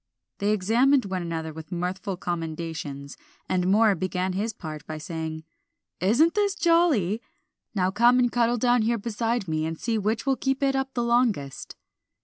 They examined one another with mirthful commendations, and Moor began his part by saying "Isn't this jolly? Now come and cuddle down here beside me, and see which will keep it up the longest."